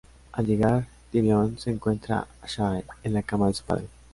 Al llegar, Tyrion se encuentra a Shae en la cama de su padre.